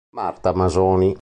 Marta Masoni